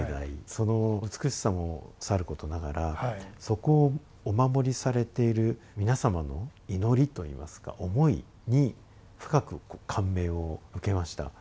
その美しさもさることながらそこをお守りされている皆様の祈りといいますか思いに深く感銘を受けました。